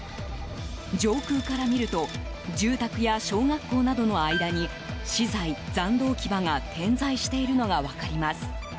上空から見ると住宅や小学校などの間に資材・残土置き場が点在しているのが分かります。